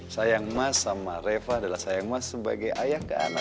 sayang mas sama reva adalah sayang mas sebagai ayah ke anak